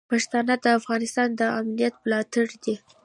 پښتانه د افغانستان د امنیت ملاتړي دي.